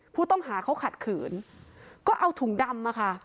ผู้ต้องหาเขาขัดขืนก็เอาถุงดำมาค่ะ